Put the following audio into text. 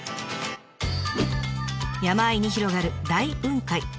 山あいに広がる大雲海。